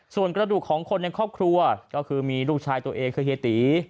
ส่วนกระดูกของคนในครอบครัวก็คือมีลูกชายตัวเองคือเฮียตี